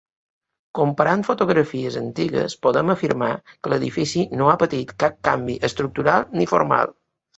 Comparant fotografies antigues podem afirmar que l'edifici no ha patit cap canvi estructural ni formal.